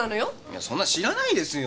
そんなの知らないですよ！